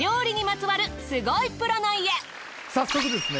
さあ早速ですね